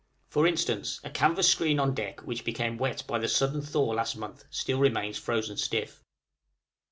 For instance, a canvas screen on deck which became wet by the sudden thaw last month still remains frozen stiff.